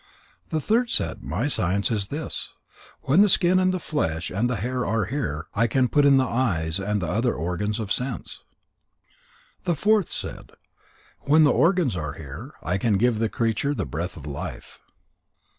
The third said: "My science is this. When the skin and the flesh and the hair are there, I can put in the eyes and the other organs of sense." The fourth said: "When the organs are there, I can give the creature the breath of life."